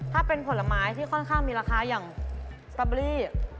ถ้าเป็นผลไม้ที่ค่อนข้างมีราคาอย่างสตอเบอรี่